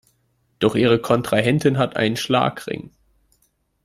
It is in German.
Doch ihre Kontrahentin hat einen Schlagring.